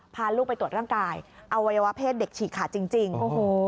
พาลูกไปตรวจร่างกายอวัยวะเพศเด็กฉีกขาดจริงโอ้โห